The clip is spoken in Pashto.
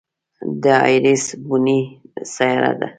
د ایرېس بونې سیاره ده.